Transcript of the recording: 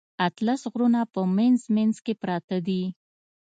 اتلس غرونه په منځ منځ کې پراته دي.